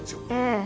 ええ。